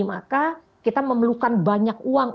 maka kita memerlukan banyak uang